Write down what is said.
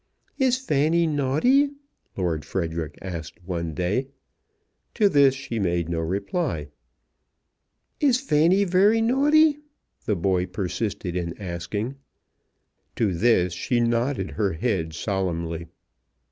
"Is Fanny naughty?" Lord Frederic asked one day. To this she made no reply. "Is Fanny very naughty?" the boy persisted in asking. To this she nodded her head solemnly.